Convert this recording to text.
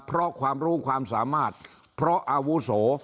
เพราะความรู้ความสามารถเพราะอาวุโส